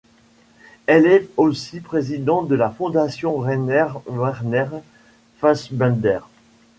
Elle est aussi présidente de la fondation Rainer Werner Fassbinder.